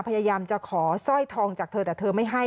พยายามจะขอสร้อยทองจากเธอแต่เธอไม่ให้